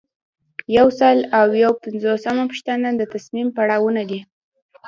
یو سل او یو پنځوسمه پوښتنه د تصمیم پړاوونه دي.